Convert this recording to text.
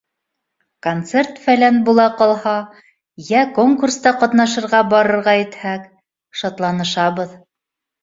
Концерт-фәлән була ҡалһа йә конкурста ҡатнашырға барырға итһәк, — шатланышабыҙ.